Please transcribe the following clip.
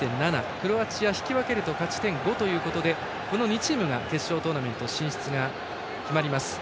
クロアチア、引き分けると勝ち点５ということでこの２チームが決勝トーナメント進出が決まります。